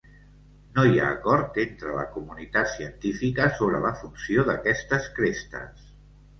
No hi ha acord entre la comunitat científica sobre la funció d'aquestes crestes.